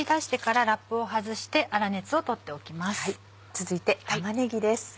続いて玉ねぎです。